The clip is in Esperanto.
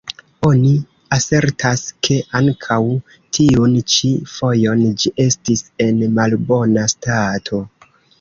Oni asertas, ke ankaŭ tiun ĉi fojon ĝi estis en malbona stato.